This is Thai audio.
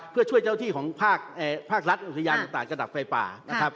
เพื่อช่วยเจ้าที่ของภาครัฐอุทยานต่างระดับไฟป่านะครับ